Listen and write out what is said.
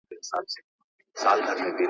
سياستپوهنه يوازي د قدرت ترلاسه کول نه دي.